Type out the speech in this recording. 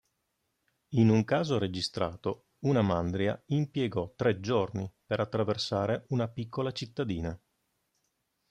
In un caso registrato una mandria impiegò tre giorni per attraversare una piccola cittadina.